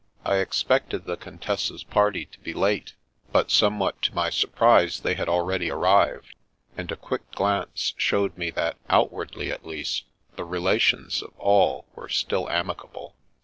I expected the Con tessa's party to be late, but somewhat to my surprise they had already arrived, and a quick glance showed me that, outwardly at least, the relations of all were still amicable.